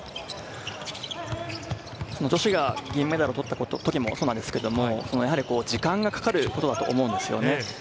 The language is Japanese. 女子が銀メダルを取った時もそうですけど、時間がかかることだと思うんですよね。